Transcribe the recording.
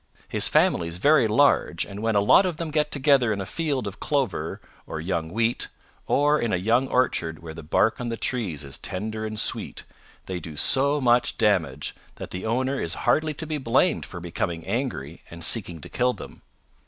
His family is very large, and when a lot of them get together in a field of clover or young wheat, or in a young orchard where the bark on the trees is tender and sweet, they do so much damage that the owner is hardly to be blamed for becoming angry and seeking to kill them.